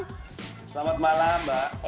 selamat malam mbak